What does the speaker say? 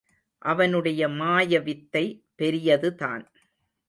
அவனுடைய மாயவித்தை பெரியதுதான்.